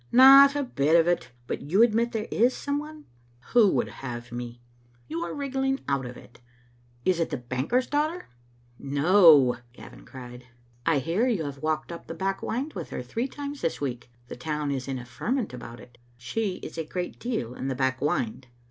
" Not a bit of it. But you admit there is some one?" " Who would have me?" Digitized by VjOOQ IC Bn^ ot tbe state ot f n^ecfBlotu 181 ••You are wriggling out of it Is it the banker's daughter?" "No, "Gavin cried. " I hear you have walked up the back wynd with her three times this week. The town is in a ferment about it." "She is a great deal in the back wynd."